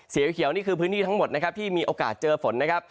เขียวนี่คือพื้นที่ทั้งหมดนะครับที่มีโอกาสเจอฝนนะครับ